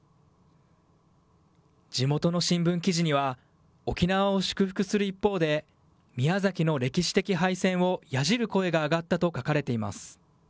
地元の新聞記事には、沖縄を祝福する一方で、宮崎の歴史的敗戦をやじる声が上がったと書かれています。